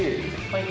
はい。